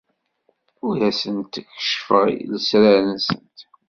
Ur asent-d-keccfeɣ lesrar-nsent.